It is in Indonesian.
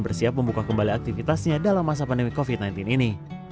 bersiap membuka kembali aktivitasnya dalam masa pandemi covid sembilan belas ini